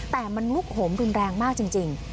แต่มันลุกโหมรุนแรงมากจริง